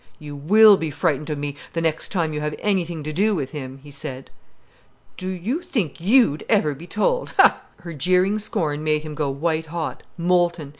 "You will be frightened of me, the next time you have anything to do with him," he said. "Do you think you'd ever be told—ha!" Her jeering scorn made him go white hot, molten.